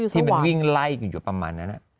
ที่มันวิ่งไล่กันอยู่ประมาณนั้น